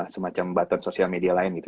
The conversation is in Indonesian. semacam button sosial media lain gitu